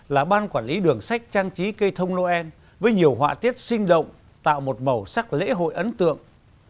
là ban quản lý đường sách trang trí cây thông noel với nhiều họa tiết sinh động tạo một màu sắc lễ hội ấn tượng